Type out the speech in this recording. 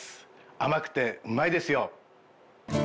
甘くてうまいですよ！